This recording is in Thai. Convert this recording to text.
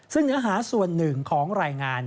ซึ่งเนื้อหาส่วนหนึ่งของรายงาน